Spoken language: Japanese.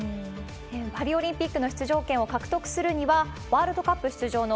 パリオリンピックの出場権を獲得するには、ワールドカップ出場の